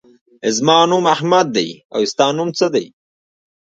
زما نوم احمد دی. او ستا نوم څه دی؟